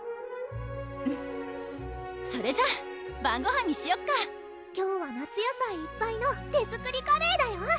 それじゃ晩ごはんにしよっか今日は夏野菜いっぱいの手作りカレーだよ！